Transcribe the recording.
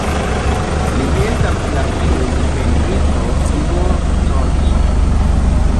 Li estas la filo de pentristo Tibor Cs.